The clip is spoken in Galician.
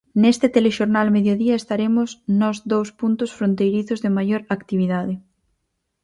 Neste Telexornal Mediodía estaremos nos dous puntos fronteirizos de maior actividade.